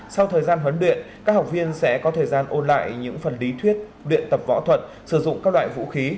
sau thời gian huấn luyện các học viên sẽ có thời gian ôn lại những phần lý thuyết biện tập võ thuật sử dụng các loại vũ khí